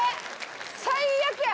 最悪や！